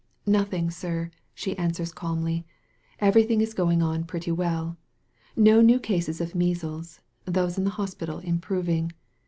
"Nothing, sir, she answers calmly. "Every thing is going on pretty well. No new cases of measles — those in hospital improving.